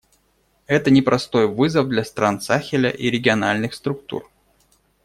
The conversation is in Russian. Это непростой вызов для стран Сахеля и региональных структур.